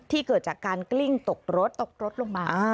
เกิดจากการกลิ้งตกรถตกรถลงมา